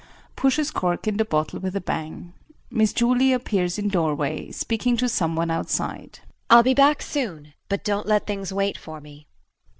[Pushes cork in the bottle with a bang. Miss Julie appears in doorway, speaking to someone outside.] JULIE. I'll be back soon, but don't let things wait for me.